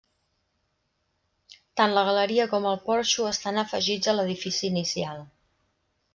Tant la galeria com el porxo estan afegits a l'edifici inicial.